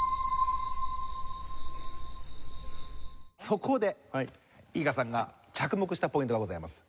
そこで伊賀さんが着目したポイントがございます。